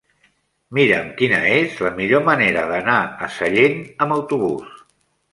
Mira'm quina és la millor manera d'anar a Sallent amb autobús.